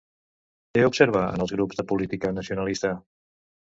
Què observa en els grups de política nacionalista?